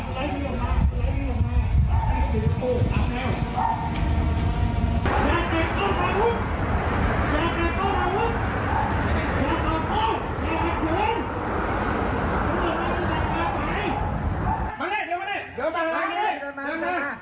มินิปกาลนะ